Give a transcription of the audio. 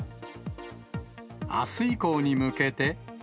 あす以降に向けて。